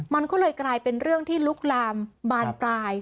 มันก็เลยกลายเป็นเรื่องที่ลุกลามบานปลาย